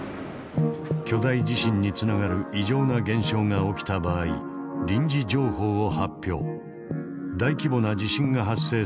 巨大地震につながる異常な現象が起きた場合臨時情報を発表。